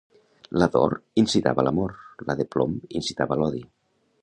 La d'or incitava l'amor, la de plom incitava l'odi.